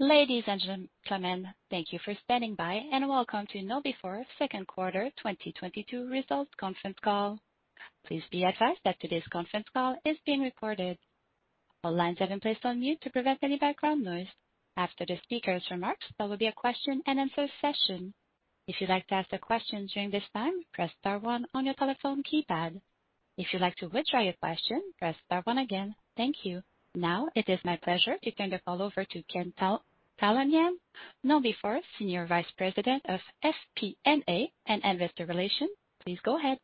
Ladies and gentlemen, thank you for standing by, and welcome to Know Before second 1/4 2022 results conference call. Please be advised that today's conference call is being recorded. All lines have been placed on mute to prevent any background noise. After the speaker's remarks, there will be a question and answer session. If you'd like to ask a question during this time, press star one on your telephone keypad. If you'd like to withdraw your question, press star one again. Thank you. Now it is my pleasure to turn the call over to Ken Talanian, Know before Senior Vice President of FP&A and Investor Relations. Please go ahead.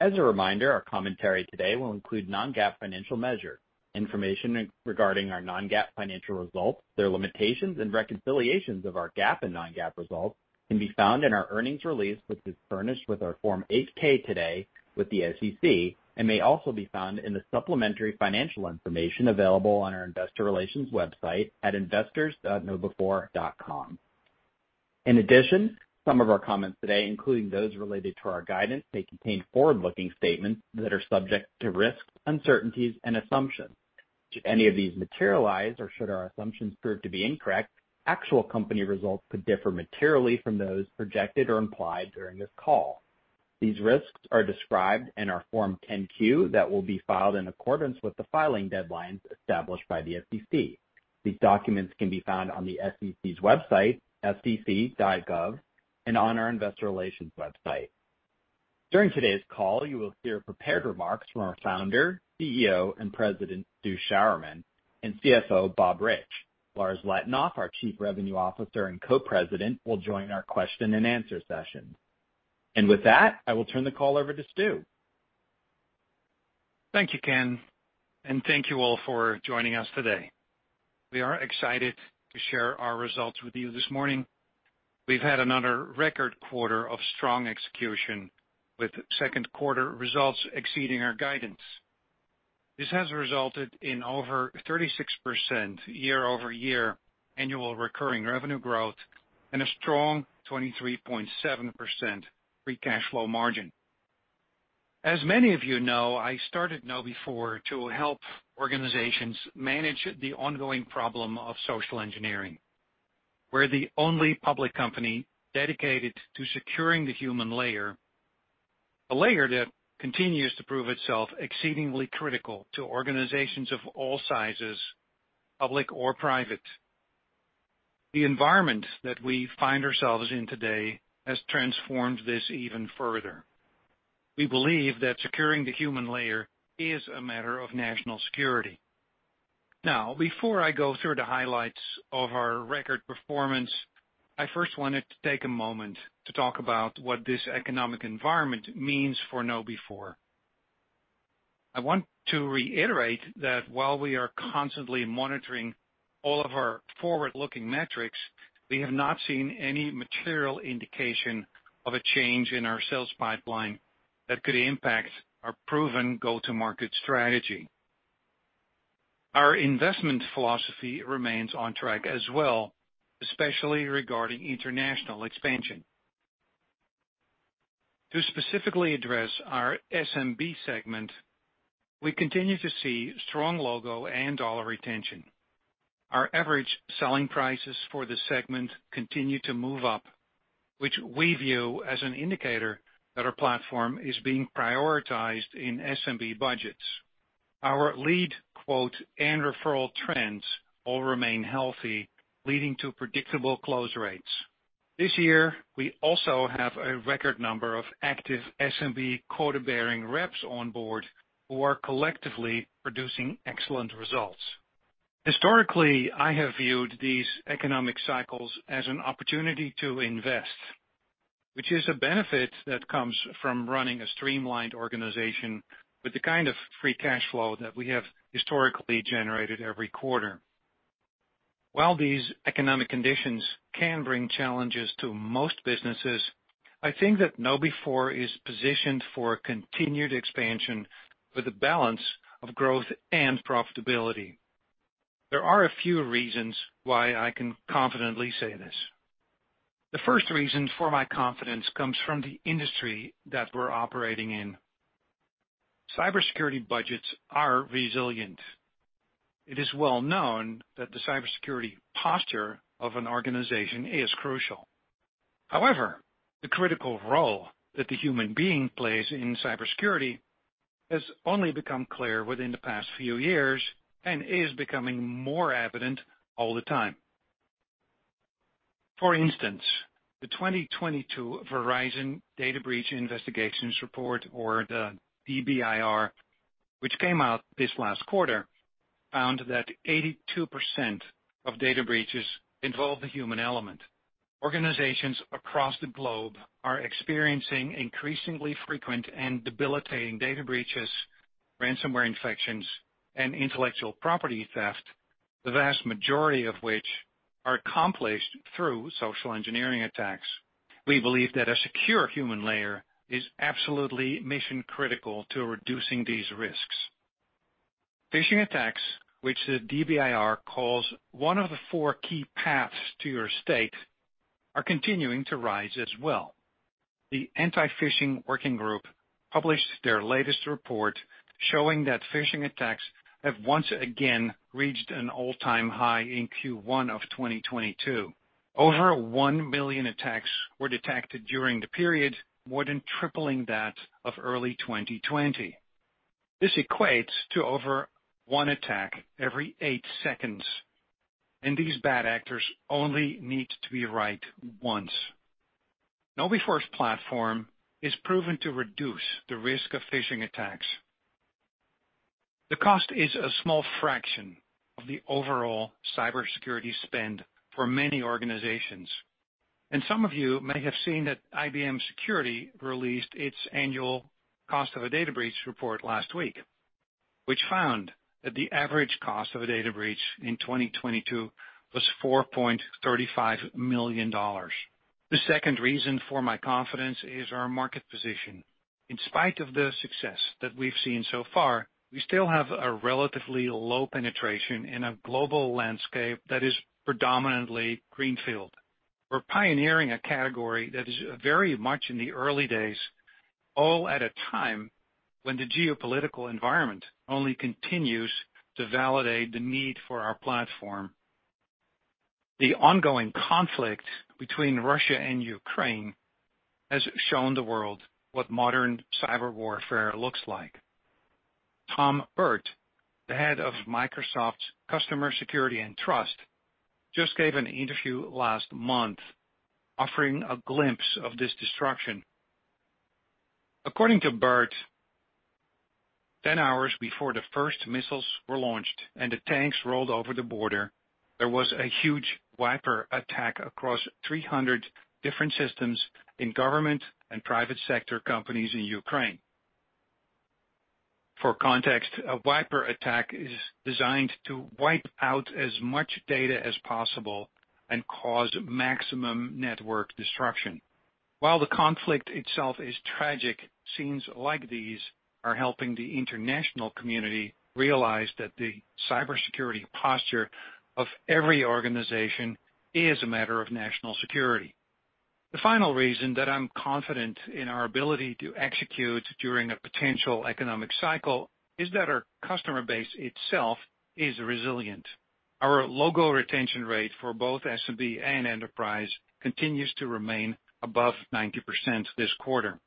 As a reminder, our commentary today will include Non-GAAP financial measure. Information regarding our Non-GAAP financial results, their limitations and reconciliations of our GAAP and Non-GAAP results can be found in our earnings release, which was furnished with our Form 8-K today with the SEC and may also be found in the supplementary financial information available on our investor relations website at investors.knowbe4.com. In addition, some of our comments today, including those related to our guidance, may contain Forward-Looking statements that are subject to risks, uncertainties and assumptions. Should any of these materialize or should our assumptions prove to be incorrect, actual company results could differ materially from those projected or implied during this call. These risks are described in our Form 10-Q that will be filed in accordance with the filing deadlines established by the SEC. These documents can be found on the SEC's website, sec.gov, and on our investor relations website. During today's call, you will hear prepared remarks from our founder, CEO and President, Stu Sjouwerman, and CFO, Bob Reich. Lars Letonoff, our Chief Revenue Officer and Co-President, will join our question and answer session. With that, I will turn the call over to Stu. Thank you, Ken, and thank you all for joining us today. We are excited to share our results with you this morning. We've had another record 1/4 of strong execution, with second 1/4 results exceeding our guidance. This has resulted in over 36% Year-Over-Year annual recurring revenue growth and a strong 23.7% free cash flow margin. As many of you know, I started Know before to help organizations manage the ongoing problem of social engineering. We're the only public company dedicated to securing the human layer, a layer that continues to prove itself exceedingly critical to organizations of all sizes, public or private. The environment that we find ourselves in today has transformed this even further. We believe that securing the human layer is a matter of national security. Now, before I go through the highlights of our record performance, I first wanted to take a moment to talk about what this economic environment means for Know before. I want to reiterate that while we are constantly monitoring all of our Forward-Looking metrics, we have not seen any material indication of a change in our sales pipeline that could impact our proven Go-To-Market strategy. Our investment philosophy remains on track as well, especially regarding international expansion. To specifically address our SMB segment, we continue to see strong logo and dollar retention. Our average selling prices for the segment continue to move up, which we view as an indicator that our platform is being prioritized in SMB budgets. Our lead quote and referral trends all remain healthy, leading to predictable close rates. This year, we also have a record number of active SMB quota-bearing reps on board who are collectively producing excellent results. Historically, I have viewed these economic cycles as an opportunity to invest, which is a benefit that comes from running a streamlined organization with the kind of free cash flow that we have historically generated every 1/4. While these economic conditions can bring challenges to most businesses, I think that Know before is positioned for continued expansion with a balance of growth and profitability. There are a few reasons why I can confidently say this. The first reason for my confidence comes from the industry that we're operating in. Cybersecurity budgets are resilient. It is well known that the cybersecurity posture of an organization is crucial. However, the critical role that the human being plays in cybersecurity has only become clear within the past few years and is becoming more evident all the time. For instance, the 2022 Verizon Data Breach Investigations Report, or the DBIR, which came out this last 1/4, found that 82% of data breaches involve the human element. Organizations across the globe are experiencing increasingly frequent and debilitating data breaches, ransomware infections, and intellectual property theft, the vast majority of which are accomplished through social engineering attacks. We believe that a secure human layer is absolutely mission-critical to reducing these risks. Phishing attacks, which the DBIR calls one of the four key paths to your state, are continuing to rise as well. The Anti-Phishing Working Group published their latest report showing that phishing attacks have once again reached an all-time high in Q1 of 2022. Over 1 million attacks were detected during the period, more than tripling that of early 2020. This equates to over 1 attack every 8 seconds, and these bad actors only need to be right once. Know before's platform is proven to reduce the risk of phishing attacks. The cost is a small fraction of the overall cybersecurity spend for many organizations, and some of you may have seen that IBM Security released its annual Cost of a Data Breach report last week, which found that the average cost of a data breach in 2022 was $4.35 million. The second reason for my confidence is our market position. In spite of the success that we've seen so far, we still have a relatively low penetration in a global landscape that is predominantly greenfield. We're pioneering a category that is very much in the early days, all at a time when the geopolitical environment only continues to validate the need for our platform. The ongoing conflict between Russia and Ukraine has shown the world what modern cyber warfare looks like. Tom Burt, the head of Microsoft's Customer Security and Trust, just gave an interview last month offering a glimpse of this destruction. According to Burt, 10 hours before the first missiles were launched and the tanks rolled over the border, there was a huge wiper attack across 300 different systems in government and private sector companies in Ukraine. For context, a wiper attack is designed to wipe out as much data as possible and cause maximum network disruption. While the conflict itself is tragic, scenes like these are helping the international community realize that the cybersecurity posture of every organization is a matter of national security. The final reason that I'm confident in our ability to execute during a potential economic cycle is that our customer base itself is resilient. Our logo retention rate for both SMB and enterprise continues to remain above 90% this 1/4.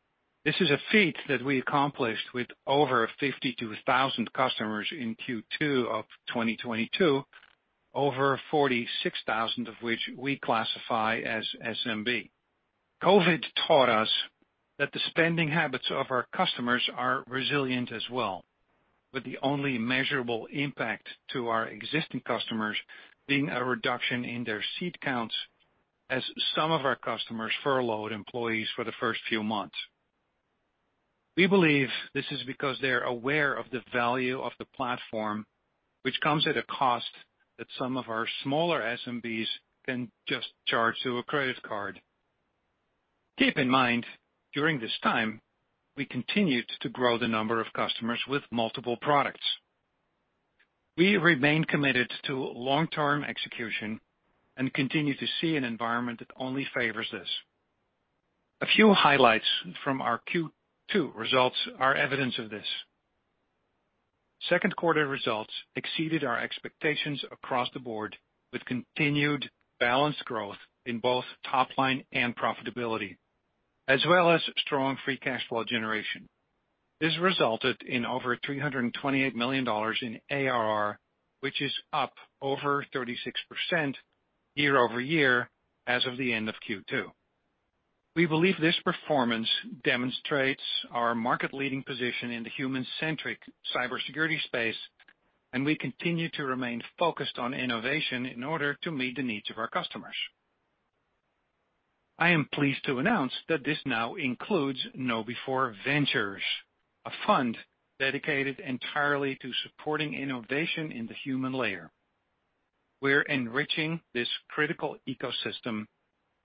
This is a feat that we accomplished with over 52,000 customers in Q2 of 2022, over 46,000 of which we classify as SMB. COVID taught us that the spending habits of our customers are resilient as well, with the only measurable impact to our existing customers being a reduction in their seat counts as some of our customers furloughed employees for the first few months. We believe this is because they're aware of the value of the platform, which comes at a cost that some of our smaller SMBs can just charge to a credit card. Keep in mind, during this time, we continued to grow the number of customers with multiple products. We remain committed to long-term execution and continue to see an environment that only favors this. A few highlights from our Q2 results are evidence of this. Second 1/4 results exceeded our expectations across the board, with continued balanced growth in both top line and profitability, as well as strong free cash flow generation. This resulted in over $328 million in ARR, which is up over 36% Year-Over-Year as of the end of Q2. We believe this performance demonstrates our market-leading position in the human-centric cybersecurity space, and we continue to remain focused on innovation in order to meet the needs of our customers. I am pleased to announce that this now includes Know before Ventures, a fund dedicated entirely to supporting innovation in the human layer. We're enriching this critical ecosystem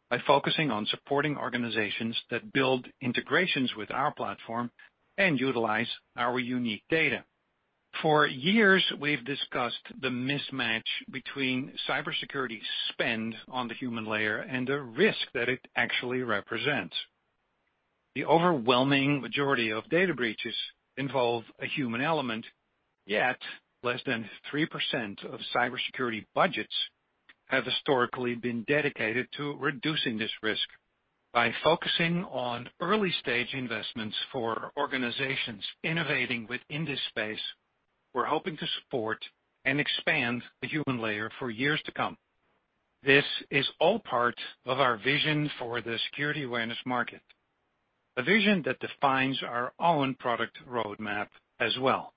by focusing on supporting organizations that build integrations with our platform and utilize our unique data. For years, we've discussed the mismatch between cybersecurity spend on the human layer and the risk that it actually represents. The overwhelming majority of data breaches involve a human element, yet less than 3% of cybersecurity budgets have historically been dedicated to reducing this risk. By focusing on early-stage investments for organizations innovating within this space, we're hoping to support and expand the human layer for years to come. This is all part of our vision for the security awareness market, a vision that defines our own product roadmap as well.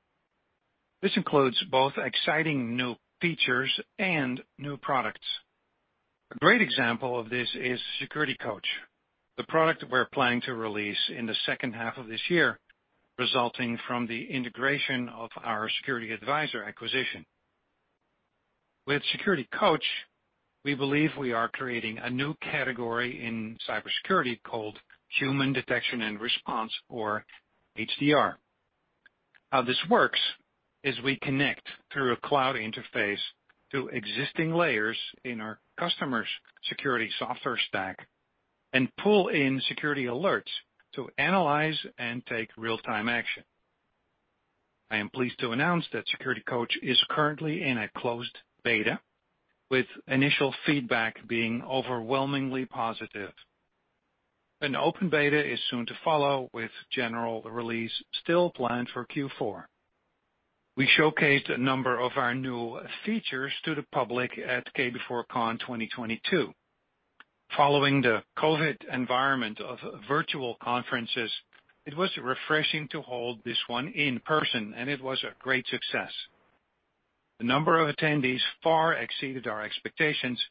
This includes both exciting new features and new products. A great example of this is SecurityCoach, the product we're planning to release in the second 1/2 of this year, resulting from the integration of our SecurityAdvisor acquisition. With SecurityCoach, we believe we are creating a new category in cybersecurity called human detection and response or HDR. How this works is we connect through a cloud interface to existing layers in our customer's security software stack and pull in security alerts to analyze and take real-time action. I am pleased to announce that SecurityCoach is currently in a closed beta, with initial feedback being overwhelmingly positive. An open beta is soon to follow, with general release still planned for Q4. We showcased a number of our new features to the public at KB4-CON 2022. Following the COVID environment of virtual conferences, it was refreshing to hold this one in person, and it was a great success. The number of attendees far exceeded our expectations,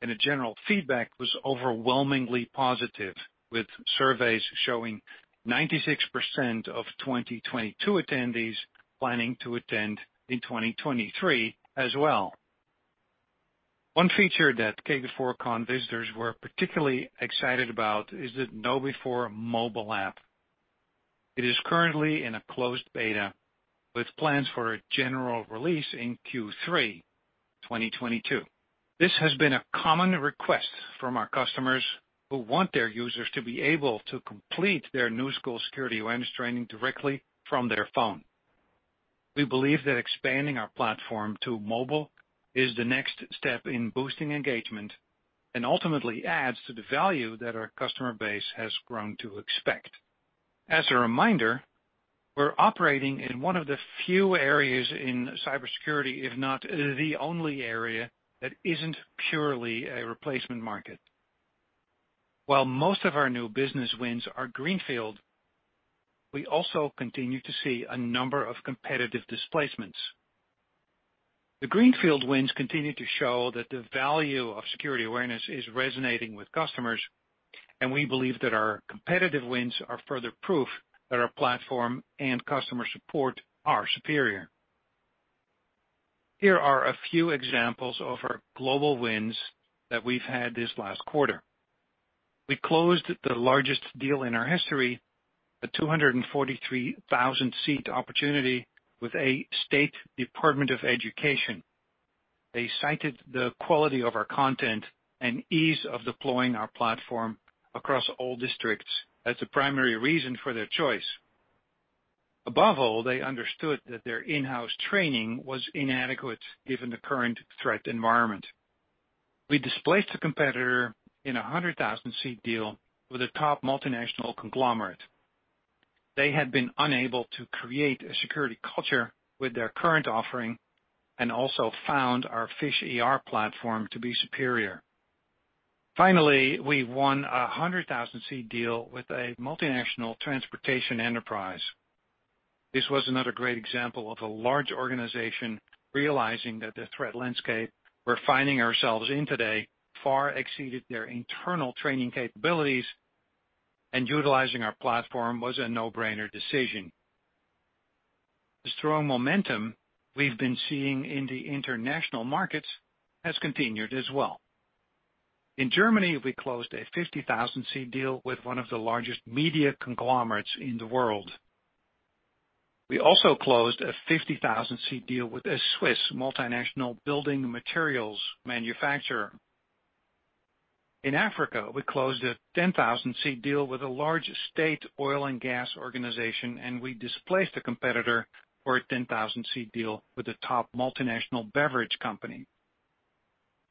and the general feedback was overwhelmingly positive, with surveys showing 96% of 2022 attendees planning to attend in 2023 as well. One feature that KB4-CON visitors were particularly excited about is the Know before mobile app. It is currently in a closed beta with plans for a general release in Q3 2022. This has been a common request from our customers who want their users to be able to complete their new-school security awareness training directly from their phone. We believe that expanding our platform to mobile is the next step in boosting engagement and ultimately adds to the value that our customer base has grown to expect. As a reminder, we're operating in one of the few areas in cybersecurity, if not the only area, that isn't purely a replacement market. While most of our new business wins are greenfield, we also continue to see a number of competitive displacements. The greenfield wins continue to show that the value of security awareness is resonating with customers, and we believe that our competitive wins are further proof that our platform and customer support are superior. Here are a few examples of our global wins that we've had this last 1/4. We closed the largest deal in our history, a 243,000-seat opportunity with a state department of education. They cited the quality of our content and ease of deploying our platform across all districts as the primary reason for their choice. Above all, they understood that their in-house training was inadequate, given the current threat environment. We displaced a competitor in a 100,000 seat deal with a top multinational conglomerate. They had been unable to create a security culture with their current offering and also found our PhishER platform to be superior. Finally, we won a 100,000 seat deal with a multinational transportation enterprise. This was another great example of a large organization realizing that the threat landscape we're finding ourselves in today far exceeded their internal training capabilities, and utilizing our platform was a No-Brainer decision. The strong momentum we've been seeing in the international markets has continued as well. In Germany, we closed a 50,000 seat deal with one of the largest media conglomerates in the world. We also closed a 50,000 seat deal with a Swiss multinational building materials manufacturer. In Africa, we closed a 10,000 seat deal with a large state oil and gas organization, and we displaced a competitor for a 10,000 seat deal with a top multinational beverage company.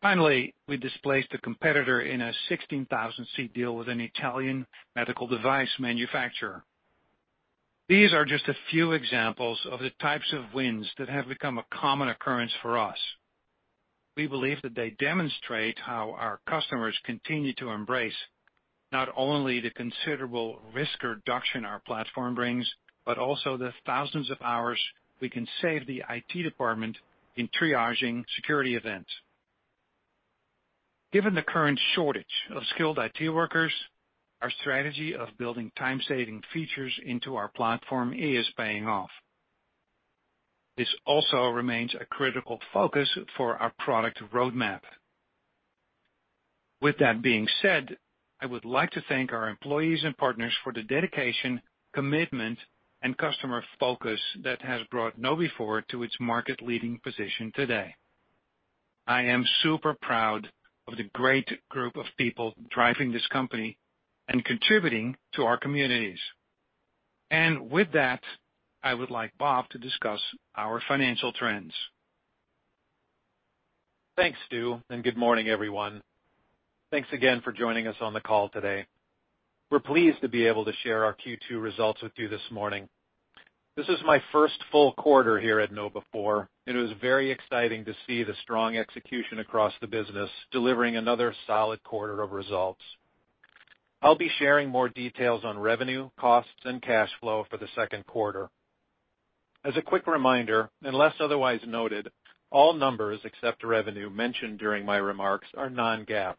Finally, we displaced a competitor in a 16,000 seat deal with an Italian medical device manufacturer. These are just a few examples of the types of wins that have become a common occurrence for us. We believe that they demonstrate how our customers continue to embrace not only the considerable risk reduction our platform brings, but also the thousands of hours we can save the IT department in triaging security events. Given the current shortage of skilled IT workers, our strategy of building time-saving features into our platform is paying off. This also remains a critical focus for our product roadmap. With that being said, I would like to thank our employees and partners for the dedication, commitment, and customer focus that has brought Know before to its market-leading position today. I am super proud of the great group of people driving this company and contributing to our communities. With that, I would like Bob to discuss our financial trends. Thanks, Stu, and good morning, everyone. Thanks again for joining us on the call today. We're pleased to be able to share our Q2 results with you this morning. This is my first full 1/4 here at Know before, and it was very exciting to see the strong execution across the business, delivering another solid 1/4 of results. I'll be sharing more details on revenue, costs, and cash flow for the second 1/4. As a quick reminder, unless otherwise noted, all numbers except revenue mentioned during my remarks are Non-GAAP.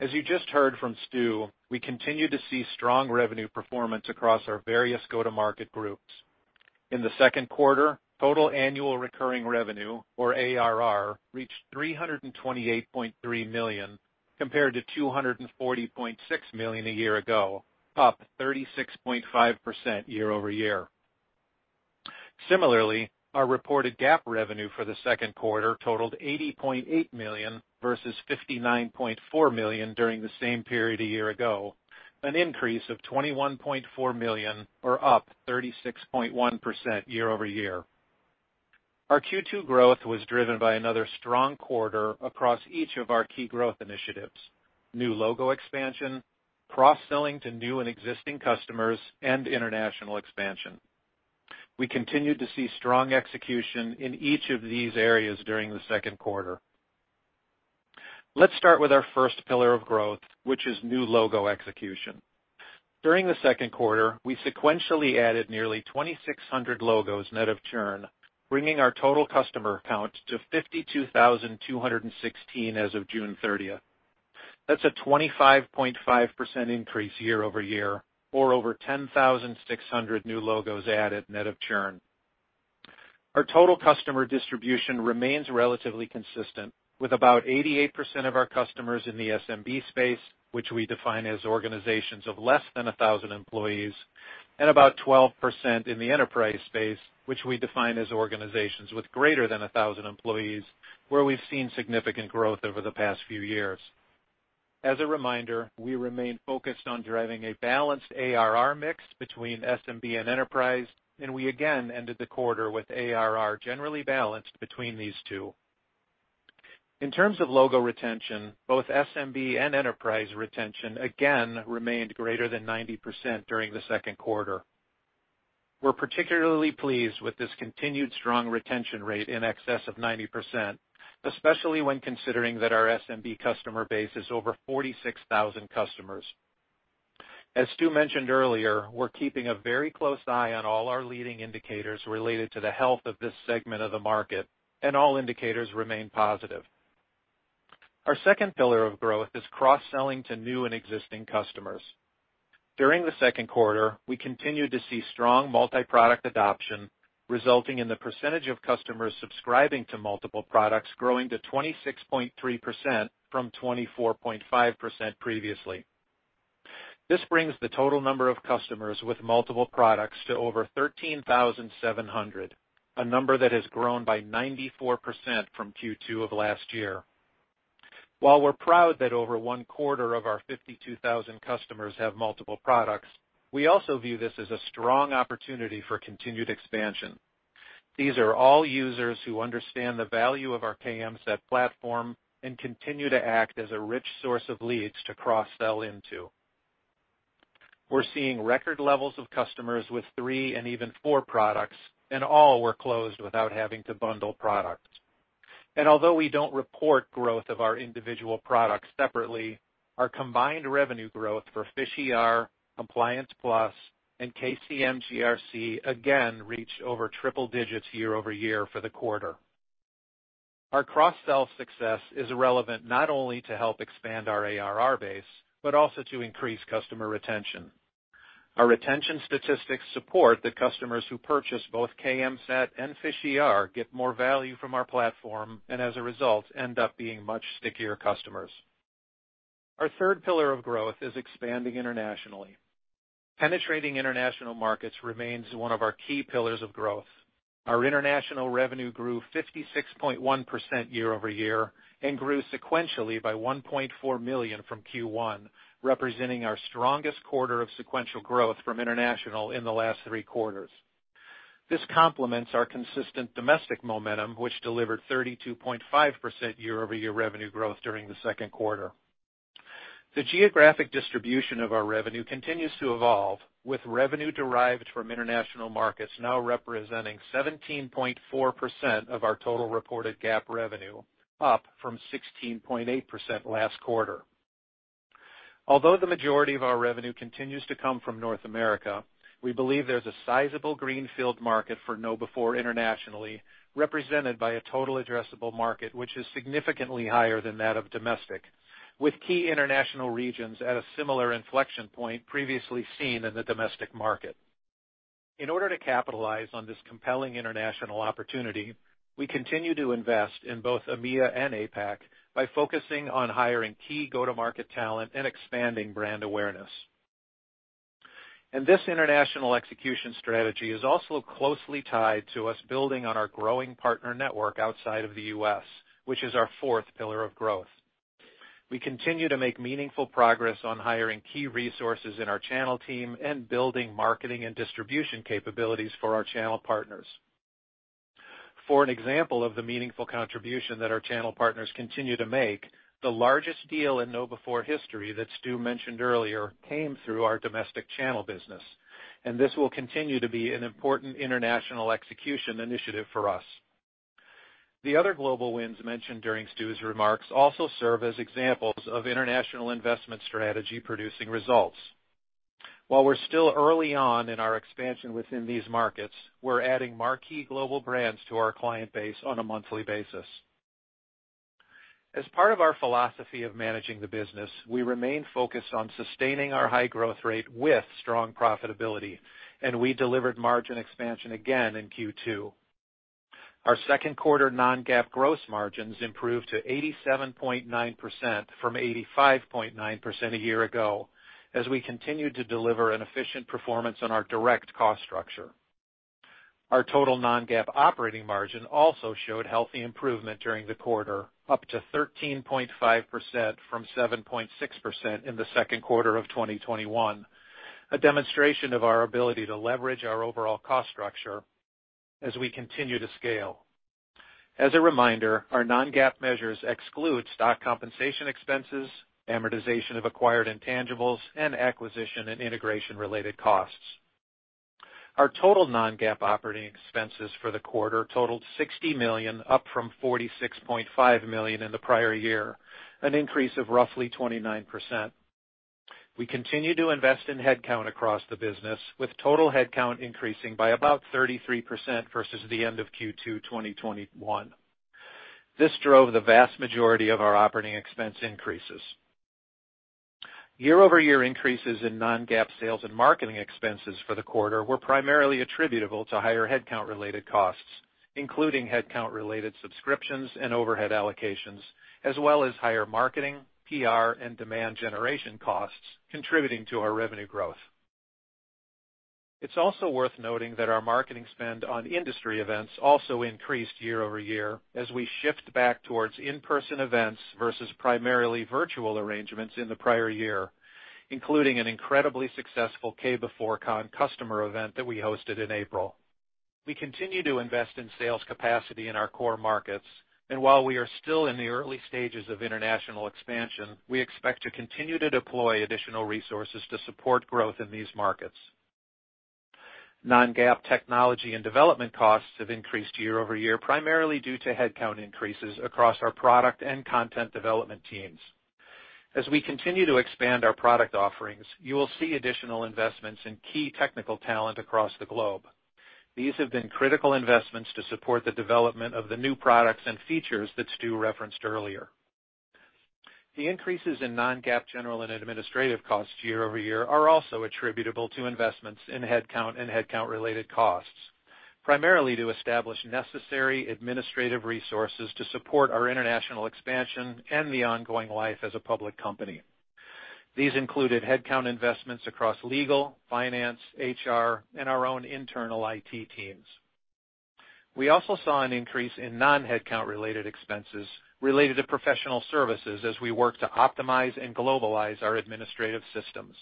As you just heard from Stu, we continue to see strong revenue performance across our various Go-To-Market groups. In the second 1/4, total annual recurring revenue, or ARR, reached $328.3 million. Compared to $240.6 million a year ago, up 36.5% Year-Over-Year. Similarly, our reported GAAP revenue for the second 1/4 totaled $80.8 million versus $59.4 million during the same period a year ago, an increase of $21.4 million or up 36.1% year over year. Our Q2 growth was driven by another strong 1/4 across each of our key growth initiatives, new logo expansion, cross-selling to new and existing customers, and international expansion. We continued to see strong execution in each of these areas during the second 1/4. Let's start with our first pillar of growth, which is new logo execution. During the second 1/4, we sequentially added nearly 2,600 logos net of churn, bringing our total customer count to 52,216 as of June thirtieth. That's a 25.5% increase year over year, or over 10,600 new logos added net of churn. Our total customer distribution remains relatively consistent, with about 88% of our customers in the SMB space, which we define as organizations of less than 1,000 employees, and about 12% in the enterprise space, which we define as organizations with greater than 1,000 employees, where we've seen significant growth over the past few years. As a reminder, we remain focused on driving a balanced ARR mix between SMB and enterprise, and we again ended the 1/4 with ARR generally balanced between these 2. In terms of logo retention, both SMB and enterprise retention again remained greater than 90% during the second 1/4. We're particularly pleased with this continued strong retention rate in excess of 90%, especially when considering that our SMB customer base is over 46,000 customers. As Stu mentioned earlier, we're keeping a very close eye on all our leading indicators related to the health of this segment of the market, and all indicators remain positive. Our second pillar of growth is cross-selling to new and existing customers. During the second 1/4, we continued to see strong multi-product adoption, resulting in the percentage of customers subscribing to multiple products growing to 26.3% from 24.5% previously. This brings the total number of customers with multiple products to over 13,700, a number that has grown by 94% from Q2 of last year. While we're proud that over one-1/4 of our 52,000 customers have multiple products, we also view this as a strong opportunity for continued expansion. These are all users who understand the value of our KMSAT platform and continue to act as a rich source of leads to cross-sell into. We're seeing record levels of customers with 3 and even four products, and all were closed without having to bundle products. Although we don't report growth of our individual products separately, our combined revenue growth for PhishER, Compliance Plus, and KCM GRC again reached over triple digits year over year for the 1/4. Our cross-sell success is relevant not only to help expand our ARR base, but also to increase customer retention. Our retention statistics support that customers who purchase both KMSAT and PhishER get more value from our platform, and as a result, end up being much stickier customers. Our 1/3 pillar of growth is expanding internationally. Penetrating international markets remains one of our key pillars of growth. Our international revenue grew 56.1% Year-Over-Year and grew sequentially by $1.4 million from Q1, representing our strongest 1/4 of sequential growth from international in the last 3 quarters. This complements our consistent domestic momentum, which delivered 32.5% Year-Over-Year revenue growth during the second 1/4. The geographic distribution of our revenue continues to evolve, with revenue derived from international markets now representing 17.4% of our total reported GAAP revenue, up from 16.8% last 1/4. Although the majority of our revenue continues to come from North America, we believe there's a sizable greenfield market for Know before internationally, represented by a total addressable market, which is significantly higher than that of domestic, with key international regions at a similar inflection point previously seen in the domestic market. In order to capitalize on this compelling international opportunity, we continue to invest in both EMEA and APAC by focusing on hiring key Go-To-Market talent and expanding brand awareness. This international execution strategy is also closely tied to us building on our growing partner network outside of the U.S., which is our fourth pillar of growth. We continue to make meaningful progress on hiring key resources in our channel team and building marketing and distribution capabilities for our channel partners. For an example of the meaningful contribution that our channel partners continue to make, the largest deal in Know before history that Stu mentioned earlier came through our domestic channel business, and this will continue to be an important international execution initiative for us. The other global wins mentioned during Stu's remarks also serve as examples of international investment strategy producing results. While we're still early on in our expansion within these markets, we're adding marquee global brands to our client base on a monthly basis. As part of our philosophy of managing the business, we remain focused on sustaining our high growth rate with strong profitability, and we delivered margin expansion again in Q2. Our second 1/4 Non-GAAP gross margins improved to 87.9% from 85.9% a year ago as we continued to deliver an efficient performance on our direct cost structure. Our total Non-GAAP operating margin also showed healthy improvement during the 1/4, up to 13.5% from 7.6% in the second 1/4 of 2021, a demonstration of our ability to leverage our overall cost structure as we continue to scale. As a reminder, our Non-GAAP measures exclude stock compensation expenses, amortization of acquired intangibles, and acquisition and integration-related costs. Our total Non-GAAP operating expenses for the 1/4 totaled $60 million, up from $46.5 million in the prior year, an increase of roughly 29%. We continue to invest in headcount across the business, with total headcount increasing by about 33% versus the end of Q2 2021. This drove the vast majority of our operating expense increases. Year-Over-year increases in Non-GAAP sales and marketing expenses for the 1/4 were primarily attributable to higher Headcount-Related costs, including Headcount-Related subscriptions and overhead allocations, as well as higher marketing, PR, and demand generation costs contributing to our revenue growth. It's also worth noting that our marketing spend on industry events also increased year over year as we shift back towards in-person events versus primarily virtual arrangements in the prior year, including an incredibly successful KB4-CON customer event that we hosted in April. We continue to invest in sales capacity in our core markets. While we are still in the early stages of international expansion, we expect to continue to deploy additional resources to support growth in these markets. Non-GAAP technology and development costs have increased Year-Over-Year, primarily due to headcount increases across our product and content development teams. As we continue to expand our product offerings, you will see additional investments in key technical talent across the globe. These have been critical investments to support the development of the new products and features that Stu referenced earlier. The increases in Non-GAAP general and administrative costs Year-Over-Year are also attributable to investments in headcount and Headcount-Related costs, primarily to establish necessary administrative resources to support our international expansion and the ongoing life as a public company. These included headcount investments across legal, finance, HR, and our own internal IT teams. We also saw an increase in Non-Headcount related expenses related to professional services as we work to optimize and globalize our administrative systems.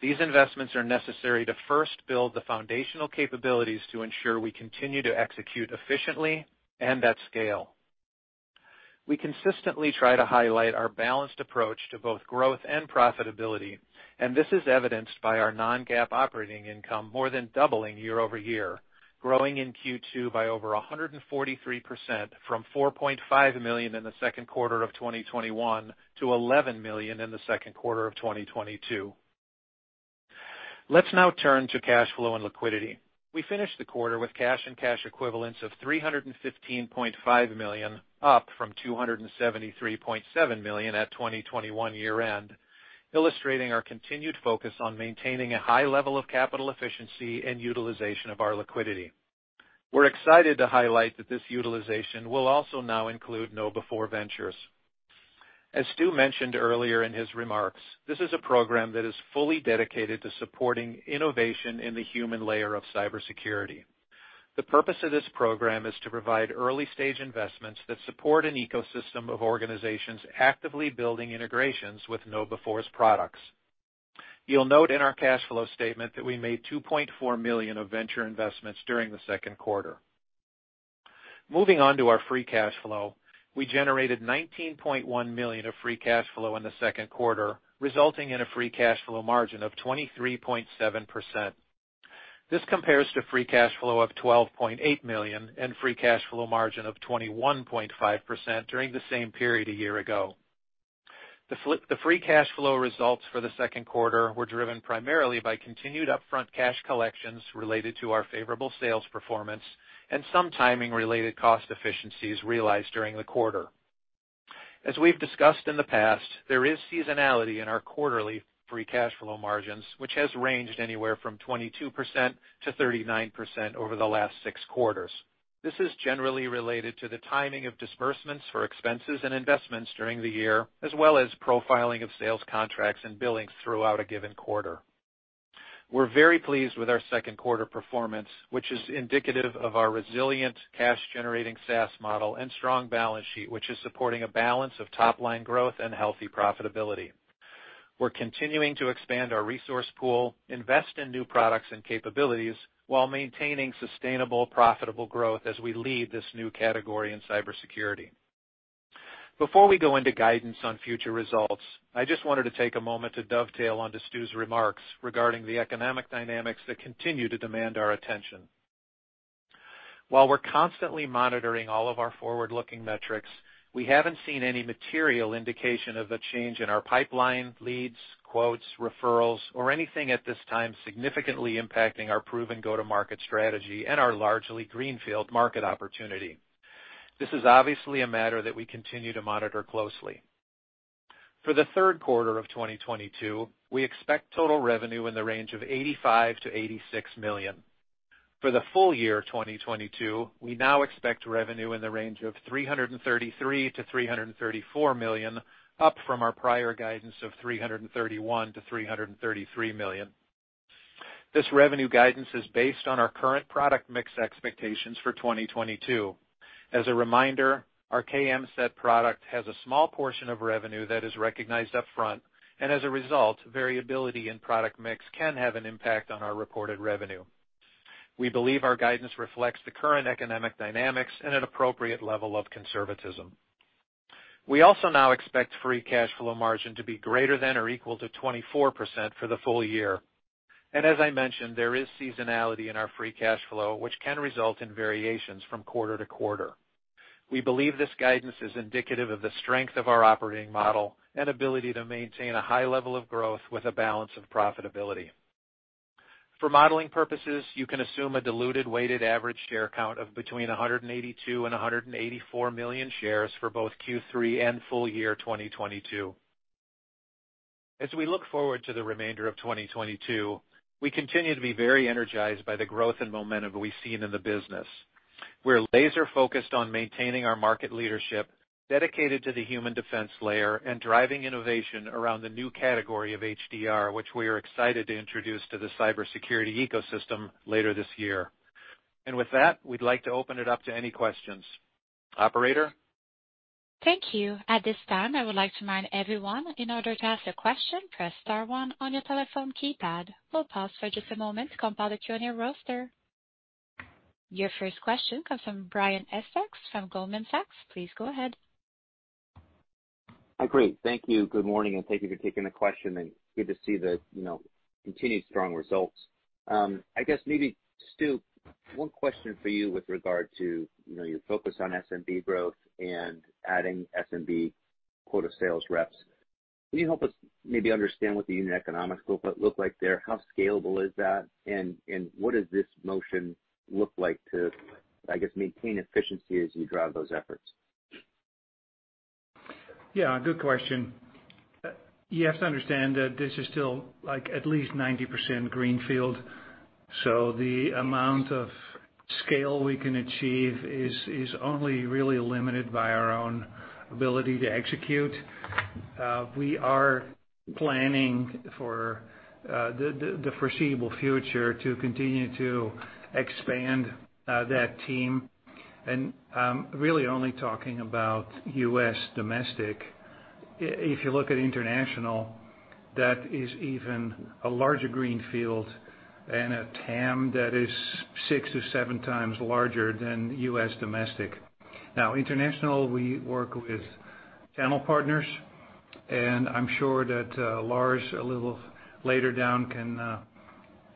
These investments are necessary to first build the foundational capabilities to ensure we continue to execute efficiently and at scale. We consistently try to highlight our balanced approach to both growth and profitability, and this is evidenced by our Non-GAAP operating income more than doubling Year-Over-Year, growing in Q2 by over 143% from $4.5 million in the second 1/4 of 2021 to $11 million in the second 1/4 of 2022. Let's now turn to cash flow and liquidity. We finished the 1/4 with cash and cash equivalents of $315.5 million, up from $273.7 million at 2021 year-end, illustrating our continued focus on maintaining a high level of capital efficiency and utilization of our liquidity. We're excited to highlight that this utilization will also now include Know before Ventures. As Stu mentioned earlier in his remarks, this is a program that is fully dedicated to supporting innovation in the human layer of cybersecurity. The purpose of this program is to provide early-stage investments that support an ecosystem of organizations actively building integrations with Know before's products. You'll note in our cash flow statement that we made $2.4 million of venture investments during the second 1/4. Moving on to our free cash flow, we generated $19.1 million of free cash flow in the second 1/4, resulting in a free cash flow margin of 23.7%. This compares to free cash flow of $12.8 million and free cash flow margin of 21.5% during the same period a year ago. The free cash flow results for the second 1/4 were driven primarily by continued upfront cash collections related to our favorable sales performance and some timing-related cost efficiencies realized during the 1/4. As we've discussed in the past, there is seasonality in our quarterly free cash flow margins, which has ranged anywhere from 22%-39% over the last 6 quarters. This is generally related to the timing of disbursements for expenses and investments during the year, as well as profiling of sales contracts and billings throughout a given 1/4. We're very pleased with our second 1/4 performance, which is indicative of our resilient cash-generating SaaS model and strong balance sheet, which is supporting a balance of Top-Line growth and healthy profitability. We're continuing to expand our resource pool, invest in new products and capabilities while maintaining sustainable, profitable growth as we lead this new category in cybersecurity. Before we go into guidance on future results, I just wanted to take a moment to dovetail onto Stu's remarks regarding the economic dynamics that continue to demand our attention. While we're constantly monitoring all of our Forward-Looking metrics, we haven't seen any material indication of a change in our pipeline, leads, quotes, referrals, or anything at this time significantly impacting our proven Go-To-Market strategy and our largely greenfield market opportunity. This is obviously a matter that we continue to monitor closely. For the 1/3 1/4 of 2022, we expect total revenue in the range of $85 million-$86 million. For the full year of 2022, we now expect revenue in the range of $333 million-$334 million, up from our prior guidance of $331 million-$333 million. This revenue guidance is based on our current product mix expectations for 2022. As a reminder, our KMSAT product has a small portion of revenue that is recognized upfront, and as a result, variability in product mix can have an impact on our reported revenue. We believe our guidance reflects the current economic dynamics and an appropriate level of conservatism. We also now expect free cash flow margin to be greater than or equal to 24% for the full year. As I mentioned, there is seasonality in our free cash flow, which can result in variations from 1/4 to 1/4. We believe this guidance is indicative of the strength of our operating model and ability to maintain a high level of growth with a balance of profitability. For modeling purposes, you can assume a diluted weighted average share count of between 182 and 184 million shares for both Q3 and full year 2022. As we look forward to the remainder of 2022, we continue to be very energized by the growth and momentum we've seen in the business. We're laser-focused on maintaining our market leadership, dedicated to the human defense layer and driving innovation around the new category of HDR, which we are excited to introduce to the cybersecurity ecosystem later this year. With that, we'd like to open it up to any questions. Operator? Thank you. At this time, I would like to remind everyone in order to ask a question, press star one on your telephone keypad. We'll pause for just a moment to compile the Q&A roster. Your first question comes from Brian Essex from Goldman Sachs. Please go ahead. Great. Thank you. Good morning, and thank you for taking the question and good to see the, you know, continued strong results. I guess maybe, Stu, one question for you with regard to, you know, your focus on SMB growth and adding SMB quota sales reps. Can you help us maybe understand what the unit economics look like there? How scalable is that? And what does this motion look like to, I guess, maintain efficiency as you drive those efforts? Yeah, good question. You have to understand that this is still like at least 90% greenfield, so the amount of scale we can achieve is only really limited by our own ability to execute. We are planning for the foreseeable future to continue to expand that team. Really only talking about U.S. domestic. If you look at international, that is even a larger greenfield and a TAM that is 6-7 times larger than U.S. domestic. Now international, we work with channel partners, and I'm sure that Lars, a little later down, can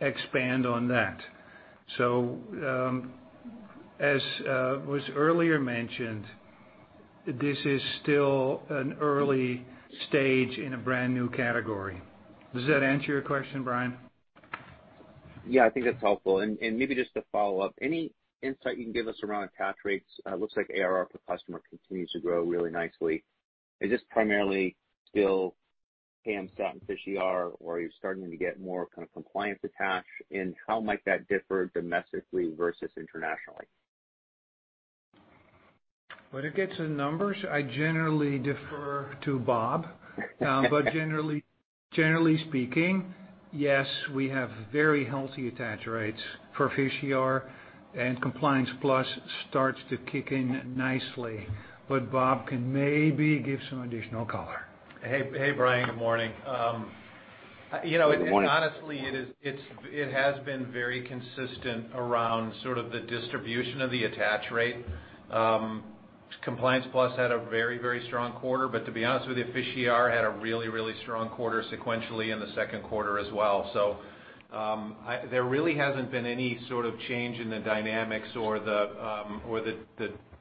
expand on that. As was earlier mentioned, this is still an early stage in a brand-new category. Does that answer your question, Brian? Yeah, I think that's helpful. And maybe just to follow up, any insight you can give us around attach rates? It looks like ARR per customer continues to grow really nicely. Is this primarily still KMSAT and PhishER, or are you starting to get more kind of compliance attached? How might that differ domestically versus internationally? When it gets to numbers, I generally defer to Bob. Generally speaking, yes, we have very healthy attach rates for PhishER and Compliance Plus starts to kick in nicely. Bob can maybe give some additional color. Hey, Brian, good morning. You know- Good morning. Honestly, it has been very consistent around sort of the distribution of the attach rate. Compliance Plus had a very, very strong 1/4, but to be honest with you, PhishER had a really, really strong 1/4 sequentially in the second 1/4 as well. There really hasn't been any sort of change in the dynamics or the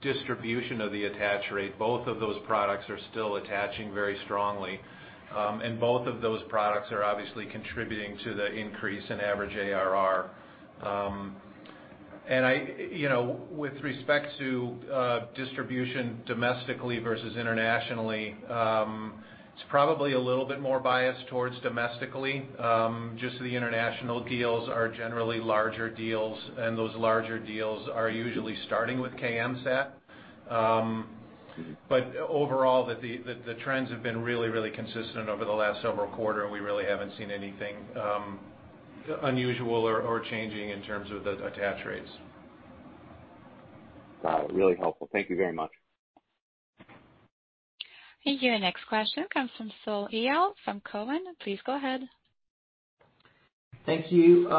distribution of the attach rate. Both of those products are still attaching very strongly. Both of those products are obviously contributing to the increase in average ARR. You know, with respect to distribution domestically versus internationally, it's probably a little bit more biased towards domestically. Just the international deals are generally larger deals, and those larger deals are usually starting with KMSAT. Overall, the trends have been really consistent over the last several 1/4, and we really haven't seen anything unusual or changing in terms of the attach rates. Got it. Really helpful. Thank you very much. Thank you. Next question comes from Shaul Eyal from Cowen. Please go ahead. Thank you.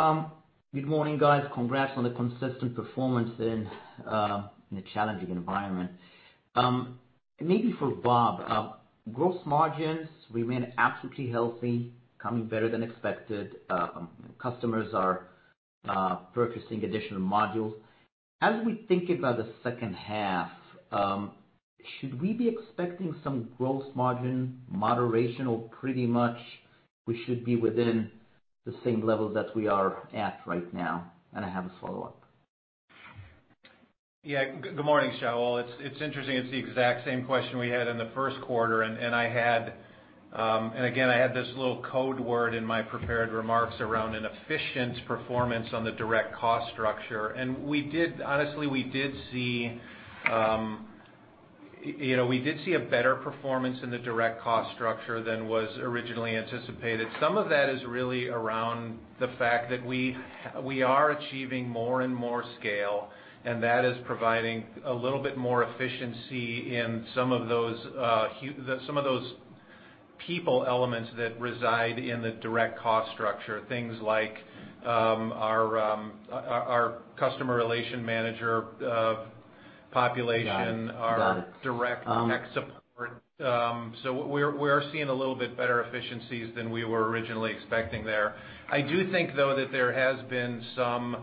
Good morning, guys. Congrats on the consistent performance in a challenging environment. Maybe for Bob, gross margins remain absolutely healthy, coming better than expected. Customers are purchasing additional modules. As we think about the second 1/2, should we be expecting some gross margin moderation, or pretty much we should be within the same level that we are at right now? I have a Follow-Up. Yeah. Good morning, Shaul. It's interesting. It's the exact same question we had in the first 1/4, and again, I had this little code word in my prepared remarks around an efficient performance on the direct cost structure. Honestly, we did see, you know, a better performance in the direct cost structure than was originally anticipated. Some of that is really around the fact that we are achieving more and more scale, and that is providing a little bit more efficiency in some of those people elements that reside in the direct cost structure. Things like our customer relationship manager population- Got it. Got it. our direct tech support. So we are seeing a little bit better efficiencies than we were originally expecting there. I do think, though, that there has been some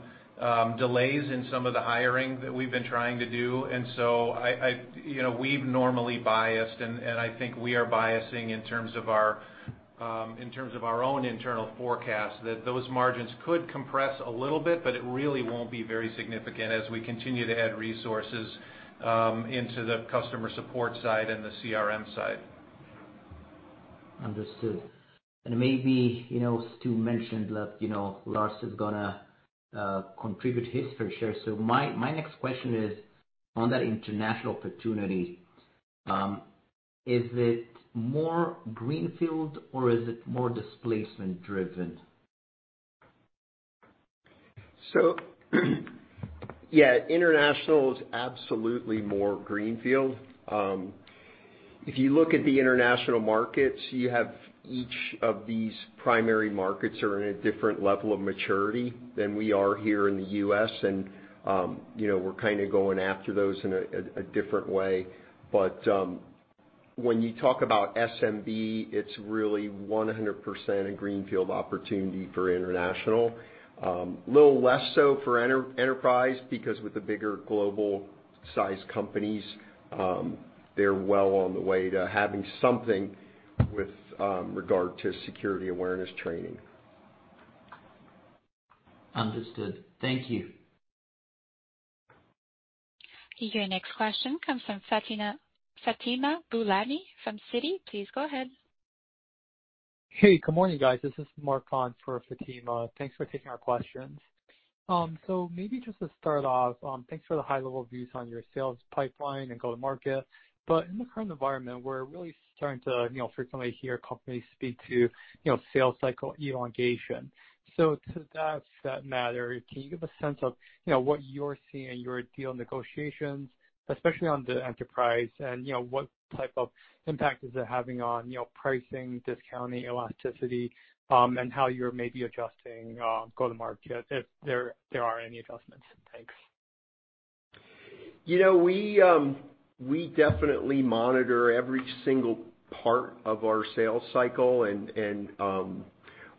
delays in some of the hiring that we've been trying to do. You know, we've normally biased, and I think we are biasing in terms of our own internal forecast that those margins could compress a little bit, but it really won't be very significant as we continue to add resources into the customer support side and the CRM side. Understood. Maybe, you know, Stu mentioned that, you know, Lars is gonna contribute his fair share. My next question is on that international opportunity. Is it more greenfield or is it more displacement driven? Yeah, international is absolutely more greenfield. If you look at the international markets, you have each of these primary markets are in a different level of maturity than we are here in the U.S., and, you know, we're kinda going after those in a different way. When you talk about SMB, it's really 100% a greenfield opportunity for international. A little less so for enterprise because with the bigger global size companies, they're well on the way to having something with regard to security awareness training. Understood. Thank you. Your next question comes from Fatima Boolani from Citi. Please go ahead. Hey, good morning, guys. This is Mark on for Fatima. Thanks for taking our questions. So maybe just to start off, thanks for the high level views on your sales pipeline and Go-To-Market. In the current environment, we're really starting to, you know, frequently hear companies speak to, you know, sales cycle elongation. To that matter, can you give a sense of, you know, what you're seeing in your deal negotiations, especially on the enterprise, and, you know, what type of impact is it having on, you know, pricing, discounting, elasticity, and how you're maybe adjusting Go-To-Market, if there are any adjustments? Thanks. You know, we definitely monitor every single part of our sales cycle and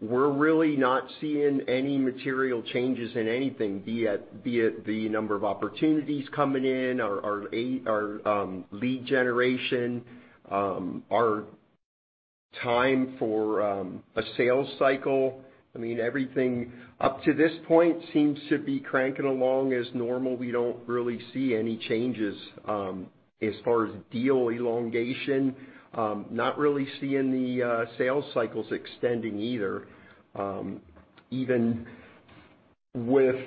we're really not seeing any material changes in anything, be it the number of opportunities coming in, our ARR, our lead generation, our time for a sales cycle. I mean, everything up to this point seems to be cranking along as normal. We don't really see any changes as far as deal elongation. Not really seeing the sales cycles extending either. Even with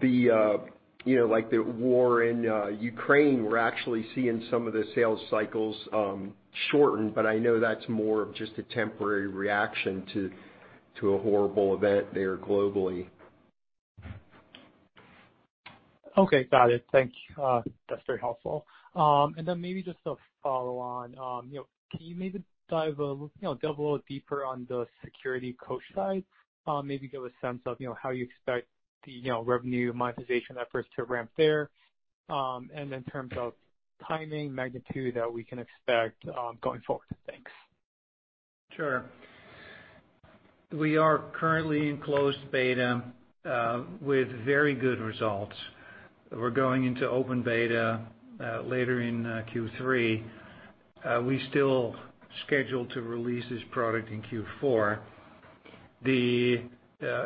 the, you know, like the war in Ukraine, we're actually seeing some of the sales cycles shorten, but I know that's more of just a temporary reaction to a horrible event there globally. Okay. Got it. Thank you. That's very helpful. Maybe just to follow on, you know, can you maybe delve a little deeper on the SecurityCoach side? Maybe give a sense of, you know, how you expect the, you know, revenue monetization efforts to ramp there. In terms of timing, magnitude that we can expect, going forward. Thanks. Sure. We are currently in closed beta with very good results. We're going into open beta later in Q3. We still scheduled to release this product in Q4. The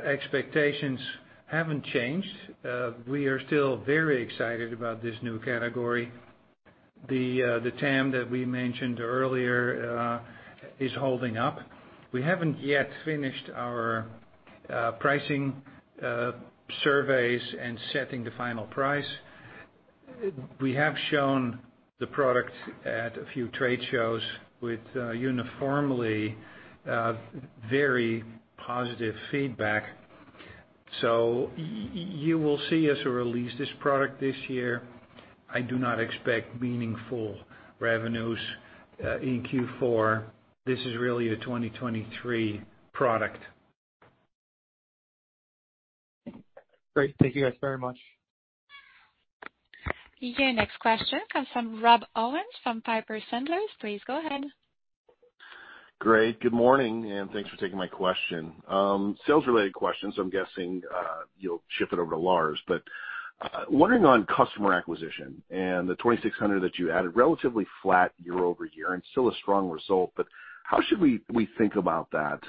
expectations haven't changed. We are still very excited about this new category. The TAM that we mentioned earlier is holding up. We haven't yet finished our pricing surveys and setting the final price. We have shown the product at a few trade shows with uniformly very positive feedback. You will see us release this product this year. I do not expect meaningful revenues in Q4. This is really a 2023 product. Great. Thank you guys very much. Your next question comes from Rob Owens from Piper Sandler. Please go ahead. Great. Good morning, and thanks for taking my question. Sales related question, so I'm guessing, you'll shift it over to Lars. Wondering on customer acquisition and the 2,600 that you added relatively flat Year-Over-Year and still a strong result, but how should we think about that,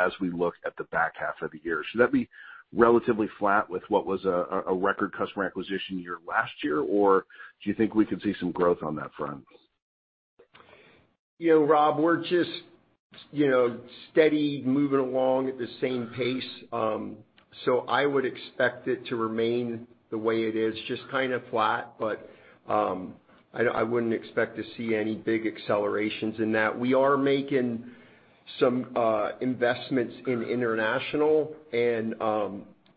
as we look at the back 1/2 of the year? Should that be relatively flat with what was a record customer acquisition year last year, or do you think we could see some growth on that front? You know, Rob, we're just steady moving along at the same pace. I would expect it to remain the way it is, just kinda flat, but I wouldn't expect to see any big accelerations in that. We are making some investments in international and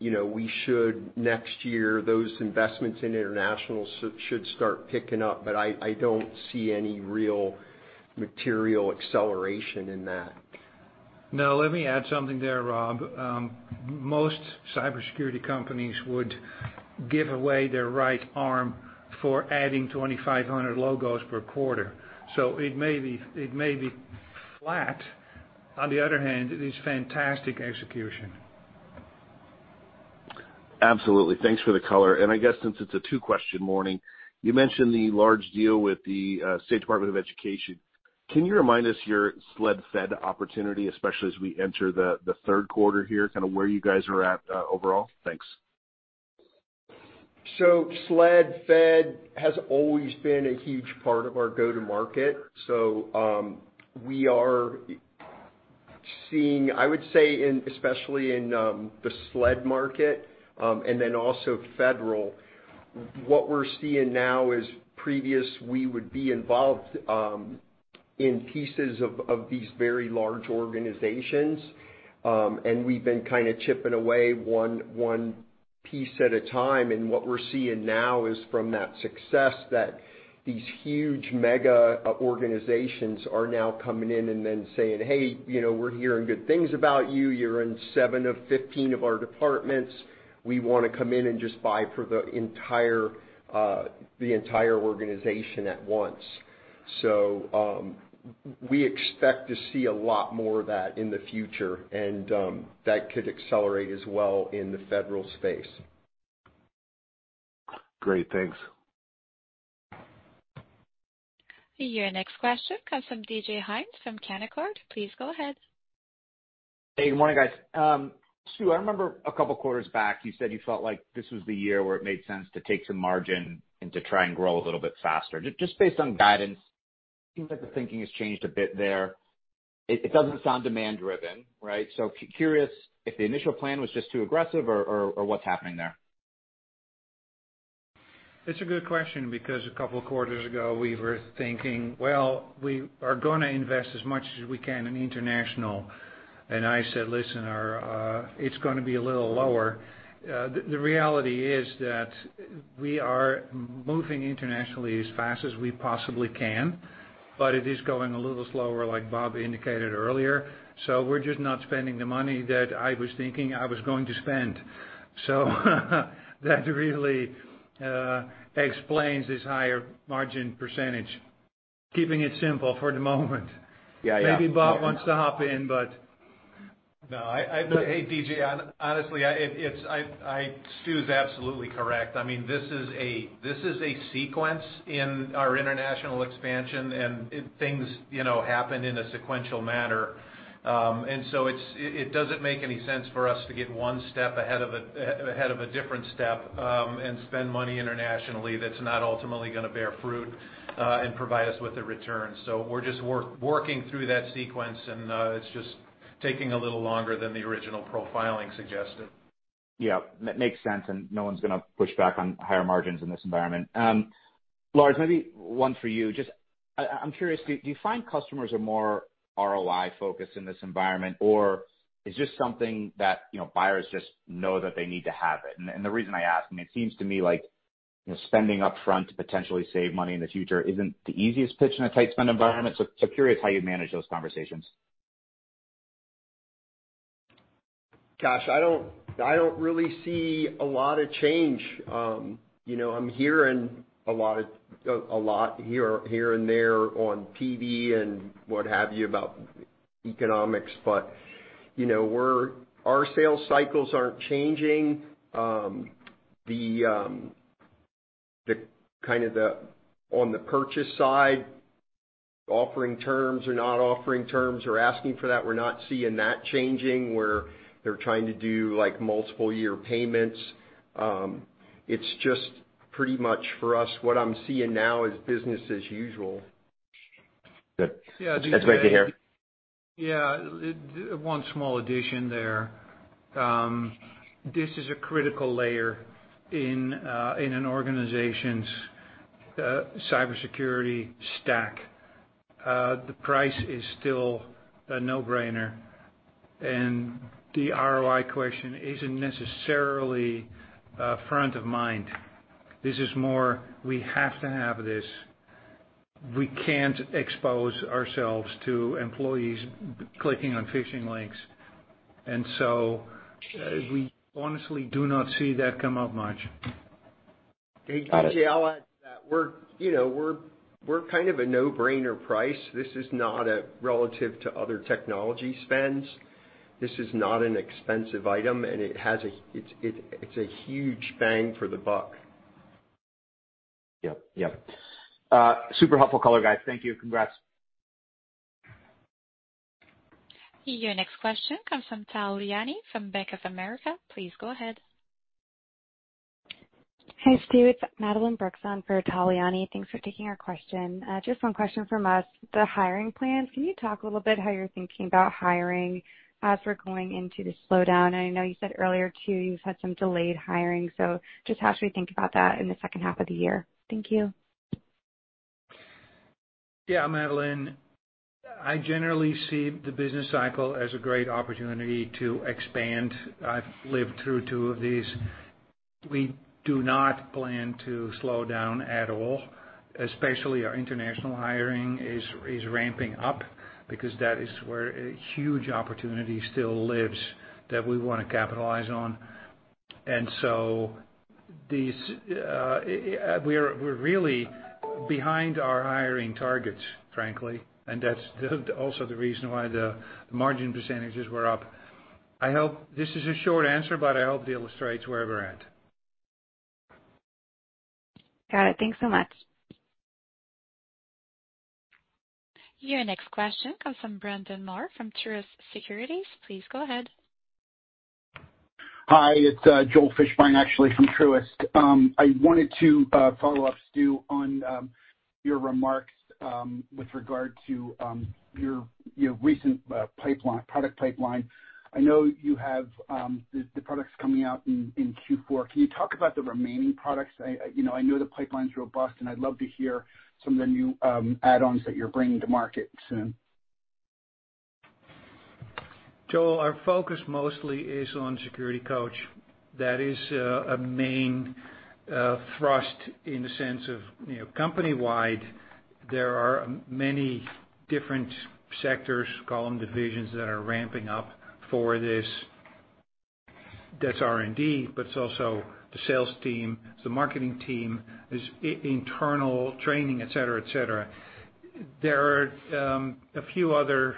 you know, we should next year, those investments in international should start picking up. I don't see any real material acceleration in that. No, let me add something there, Rob. Most cybersecurity companies would give away their right arm for adding 2,500 logos per 1/4. It may be flat, on the other hand, it is fantastic execution. Absolutely. Thanks for the color. I guess since it's a 2-Question morning, you mentioned the large deal with the State Department of Education. Can you remind us your SLED and Fed opportunity, especially as we enter the 1/3 1/4 here, kinda where you guys are at, overall? Thanks. SLED Fed has always been a huge part of our Go-To-Market. We are seeing, I would say in, especially in, the SLED market, and then also federal. What we're seeing now is previously we would be involved in pieces of these very large organizations, and we've been kinda chipping away one piece at a time. What we're seeing now is from that success that these huge mega organizations are now coming in and then saying, "Hey, you know, we're hearing good things about you. You're in 7 of 15 of our departments. We wanna come in and just buy for the entire organization at once." We expect to see a lot more of that in the future, and that could accelerate as well in the federal space. Great. Thanks. Your next question comes from DJ Hynes from Canaccord. Please go ahead. Hey, good morning, guys. Stu, I remember a couple of quarters back, you said you felt like this was the year where it made sense to take some margin and to try and grow a little bit faster. Just based on guidance, it seems like the thinking has changed a bit there. It doesn't sound demand driven, right? Curious if the initial plan was just too aggressive or what's happening there? It's a good question because a couple of quarters ago, we were thinking, well, we are gonna invest as much as we can in international. I said, "Listen, our, it's gonna be a little lower." The reality is that we are moving internationally as fast as we possibly can, but it is going a little slower like Bob indicated earlier. We're just not spending the money that I was thinking I was going to spend. That really explains this higher margin percentage. Keeping it simple for the moment. Yeah. Yeah. Maybe Bob wants to hop in, but. No, hey, DJ. Honestly, Stu is absolutely correct. I mean, this is a sequence in our international expansion and things, you know, happen in a sequential manner. It doesn't make any sense for us to get one step ahead of a different step and spend money internationally that's not ultimately gonna bear fruit and provide us with a return. We're just working through that sequence, and it's just taking a little longer than the original profiling suggested. Yeah. That makes sense, and no one's gonna push back on higher margins in this environment. Lars, maybe one for you. Just I'm curious, do you find customers are more ROI-focused in this environment, or is this something that, you know, buyers just know that they need to have it? The reason I ask, I mean, it seems to me like spending up front to potentially save money in the future isn't the easiest pitch in a tight spend environment. Curious how you manage those conversations. Gosh, I don't really see a lot of change. You know, I'm hearing a lot here and there on TV and what have you about economics. You know, our sales cycles aren't changing. On the purchase side, offering terms or not offering terms or asking for that, we're not seeing that changing, where they're trying to do, like, multiple year payments. It's just pretty much for us, what I'm seeing now is business as usual. Good. That's great to hear. Yeah. One small addition there. This is a critical layer in an organization's cybersecurity stack. The price is still a No-Brainer, and the ROI question isn't necessarily front of mind. This is more, we have to have this. We can't expose ourselves to employees clicking on phishing links. We honestly do not see that come up much. Got it. DJ, I'll add to that. We're, you know, kind of a No-Bainer price. This is not relative to other technology spends. This is not an expensive item, and it's a huge bang for the buck. Yep, super helpful color, guys. Thank you. Congrats. Your next question comes from Tal Liani from Bank of America. Please go ahead. Hey, Stu, it's Madeline Brooks on for Tal Liani. Thanks for taking our question. Just one question from us. The hiring plans, can you talk a little bit how you're thinking about hiring as we're going into the slowdown? I know you said earlier, too, you've had some delayed hiring. Just how should we think about that in the second 1/2 of the year? Thank you. Yeah, Madeline, I generally see the business cycle as a great opportunity to expand. I've lived through 2 of these. We do not plan to slow down at all, especially our international hiring is ramping up because that is where a huge opportunity still lives that we wanna capitalize on. We're really behind our hiring targets, frankly, and that's also the reason why the margin percentages were up. I hope this is a short answer, but I hope it illustrates where we're at. Got it. Thanks so much. Your next question comes from Joel Fishbein from Truist Securities. Please go ahead. Hi, it's Joel Fishbein, actually from Truist. I wanted to follow up, Stu, on your remarks with regard to your recent pipeline, product pipeline. I know you have the products coming out in Q4. Can you talk about the remaining products? You know, I know the pipeline's robust, and I'd love to hear some of the new add-ons that you're bringing to market soon. Joel, our focus mostly is on SecurityCoach. That is a main thrust in the sense of, you know, company-wide, there are many different sectors, call them divisions, that are ramping up for this. That's R&D, but it's also the sales team, the marketing team, there's internal training, et cetera, et cetera. There are a few other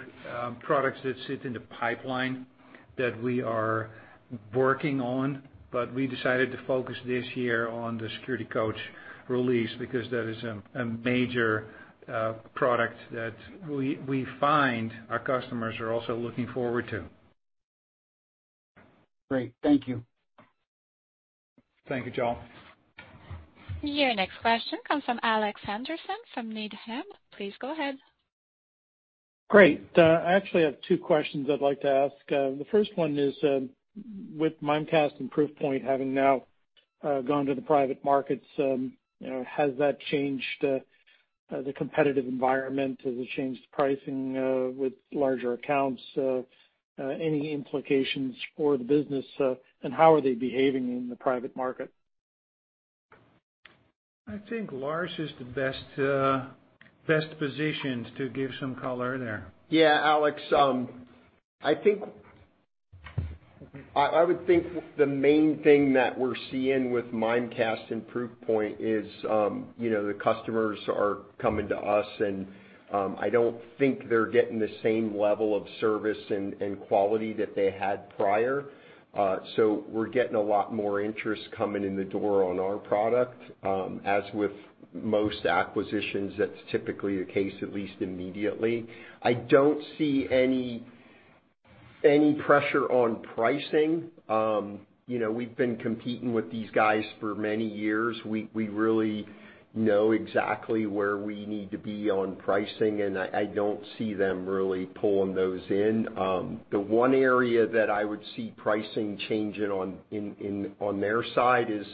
products that sit in the pipeline that we are working on, but we decided to focus this year on the SecurityCoach release because that is a major product that we find our customers are also looking forward to. Great. Thank you. Thank you, Joel. Your next question comes from Alex Henderson from Needham. Please go ahead. Great. I actually have 2 questions I'd like to ask. The first one is, with Mimecast and Proofpoint having now gone to the private markets, you know, has that changed the competitive environment? Has it changed pricing with larger accounts? Any implications for the business, and how are they behaving in the private market? I think Lars is the best positioned to give some color there. Yeah, Alex, I think I would think the main thing that we're seeing with Mimecast and Proofpoint is, you know, the customers are coming to us and I don't think they're getting the same level of service and quality that they had prior. We're getting a lot more interest coming in the door on our product, as with most acquisitions, that's typically the case, at least immediately. I don't see any pressure on pricing. You know, we've been competing with these guys for many years. We really know exactly where we need to be on pricing, and I don't see them really pulling those in. The one area that I would see pricing changing on their side is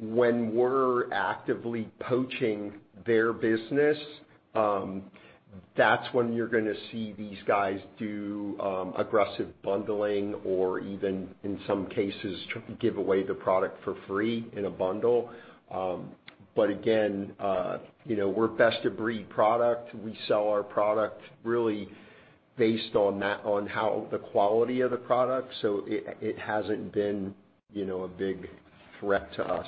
when we're actively poaching their business. That's when you're gonna see these guys do aggressive bundling or even in some cases to give away the product for free in a bundle. Again, you know, we're best of breed product. We sell our product really based on that, on how the quality of the product, so it hasn't been, you know, a big threat to us.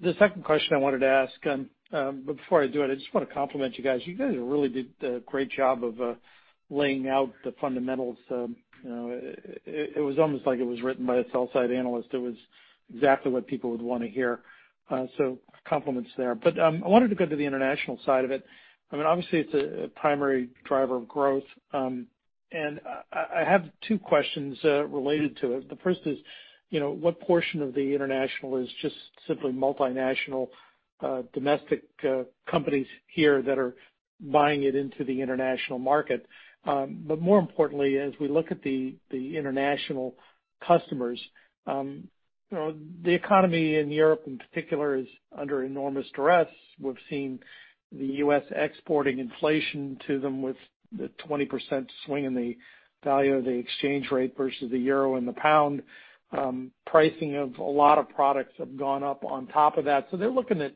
The second question I wanted to ask. Before I do it, I just wanna compliment you guys. You guys really did a great job of laying out the fundamentals. You know, it was almost like it was written by a sell-side analyst. It was exactly what people would wanna hear. Compliments there. I wanted to go to the international side of it. I mean, obviously it's a primary driver of growth, and I have 2 questions related to it. The first is, you know, what portion of the international is just simply multinational domestic companies here that are buying it into the international market? More importantly, as we look at the international customers, you know, the economy in Europe in particular is under enormous duress. We've seen the US exporting inflation to them with the 20% swing in the value of the exchange rate versus the euro and the pound. Pricing of a lot of products have gone up on top of that. They're looking at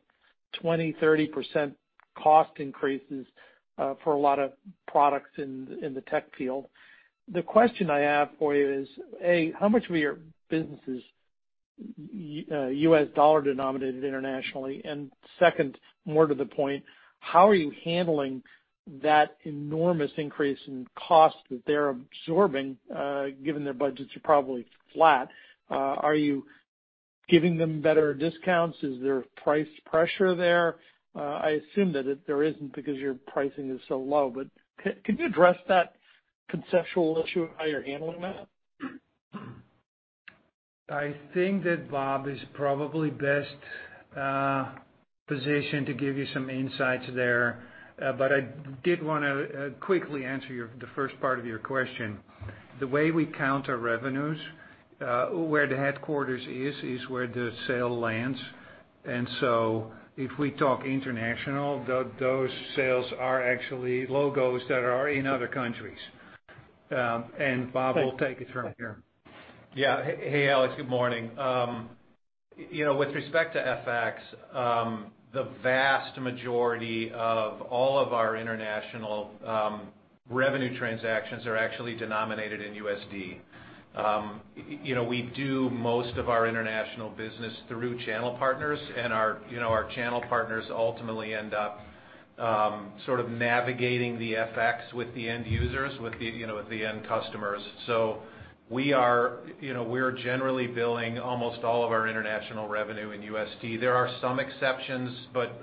20%-30% cost increases for a lot of products in the tech field. The question I have for you is, A, how much of your business is US dollar denominated internationally? Second, more to the point, how are you handling that enormous increase in cost that they're absorbing given their budgets are probably flat? Are you giving them better discounts, is there price pressure there? I assume that there isn't because your pricing is so low. But can you address that conceptual issue of how you're handling that? I think that Bob is probably best positioned to give you some insights there. But I did wanna quickly answer the first part of your question. The way we count our revenues, where the headquarters is where the sale lands. If we talk international, those sales are actually logos that are in other countries. Bob will take it from here. Yeah. Hey, Alex, good morning. You know, with respect to FX, the vast majority of all of our international revenue transactions are actually denominated in USD. You know, we do most of our international business through channel partners and our you know our channel partners ultimately end up sort of navigating the FX with the end users, with the you know with the end customers. We are you know we are generally billing almost all of our international revenue in USD. There are some exceptions, but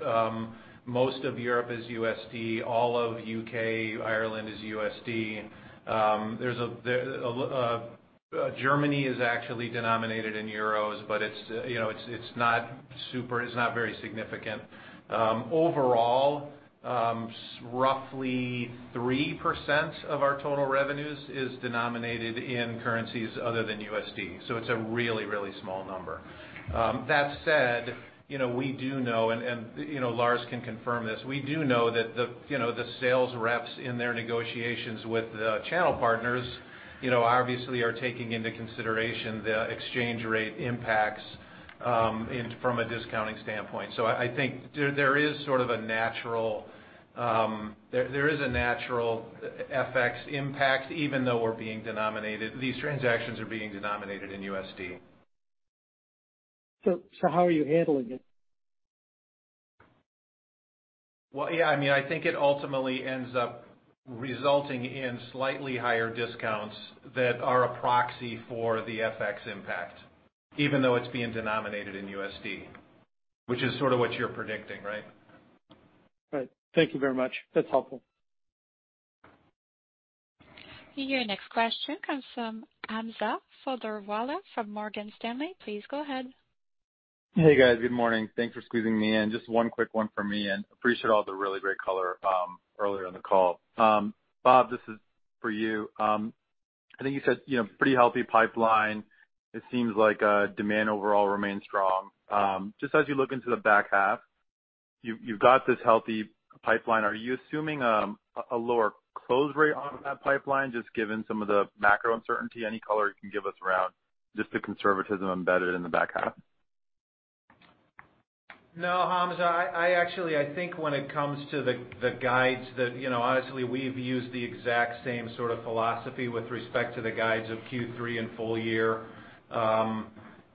most of Europe is USD, all of U.K., Ireland is USD. Germany is actually denominated in euros, but it's you know it's not very significant. Overall, roughly 3% of our total revenues is denominated in currencies other than USD. It's a really, really small number. That said, you know, we do know and you know, Lars can confirm this. We do know that the sales reps in their negotiations with the channel partners, you know, obviously are taking into consideration the exchange rate impacts in from a discounting standpoint. I think there is sort of a natural FX impact even though these transactions are being denominated in USD. How are you handling it? Well, yeah, I mean, I think it ultimately ends up resulting in slightly higher discounts that are a proxy for the FX impact, even though it's being denominated in USD, which is sort of what you're predicting, right? Right. Thank you very much. That's helpful. Your next question comes from Hamza Fodderwala from Morgan Stanley. Please go ahead. Hey, guys. Good morning. Thanks for squeezing me in. Just one quick one from me and appreciate all the really great color earlier in the call. Bob, this is for you. I think you said, you know, pretty healthy pipeline. It seems like demand overall remains strong. Just as you look into the back 1/2, you've got this healthy pipeline. Are you assuming a lower close rate on that pipeline just given some of the macro uncertainty? Any color you can give us around just the conservatism embedded in the back 1/2? No, Hamza Fodderwala. I actually think when it comes to the guides that you know, honestly, we've used the exact same sort of philosophy with respect to the guides of Q3 and full year.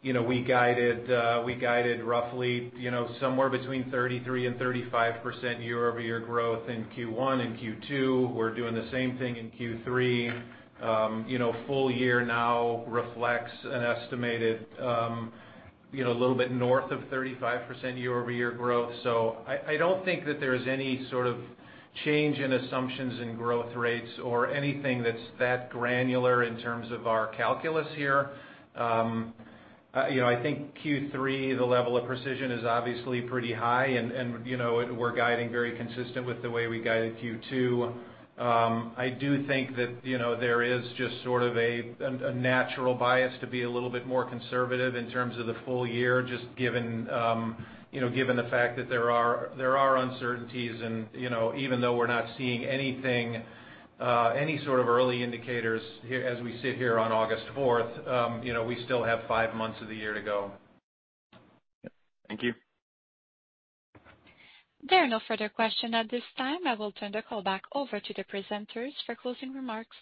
You know, we guided roughly you know, somewhere between 33%-35% Year-Over-Year growth in Q1 and Q2. We're doing the same thing in Q3. You know, full year now reflects an estimated you know, a little bit north of 35% Year-Over-Year growth. So I don't think that there's any sort of change in assumptions in growth rates or anything that's that granular in terms of our calculus here. You know, I think Q3, the level of precision is obviously pretty high and you know, we're guiding very consistent with the way we guided Q2. I do think that, you know, there is just sort of a natural bias to be a little bit more conservative in terms of the full year, just given, you know, given the fact that there are uncertainties and, you know, even though we're not seeing anything, any sort of early indicators here as we sit here on August fourth, you know, we still have 5 months of the year to go. Thank you. There are no further questions at this time. I will turn the call back over to the presenters for closing remarks.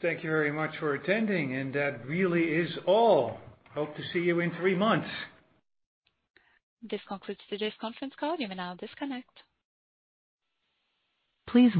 Thank you very much for attending, and that really is all. Hope to see you in 3 months. This concludes today's conference call. You may now disconnect. Please-